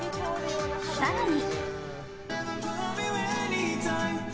更に。